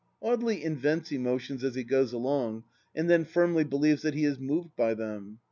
... Audely invents emotions as he goes along and then firmly believes that he is moved by them.